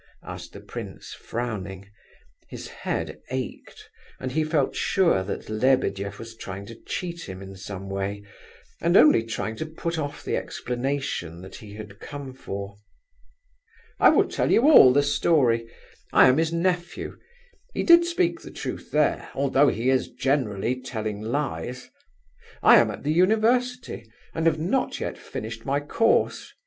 asked the prince, frowning. His head ached, and he felt sure that Lebedeff was trying to cheat him in some way, and only talking to put off the explanation that he had come for. "I will tell you all the story. I am his nephew; he did speak the truth there, although he is generally telling lies. I am at the University, and have not yet finished my course.